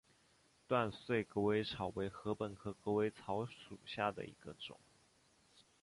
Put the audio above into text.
断穗狗尾草为禾本科狗尾草属下的一个种。